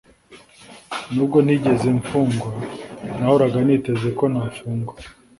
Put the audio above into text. nubwo ntigeze mfungwa nahoraga niteze ko nafungwa.